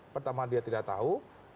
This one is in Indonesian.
pertama dia tidak tahu